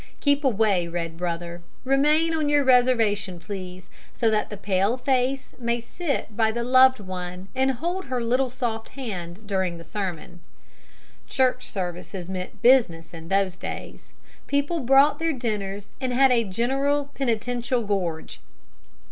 Keep away, red brother; remain on your reservation, please, so that the pale face may sit by the loved one and hold her little soft hand during the sermon. Church services meant business in those days. People brought their dinners and had a general penitential gorge.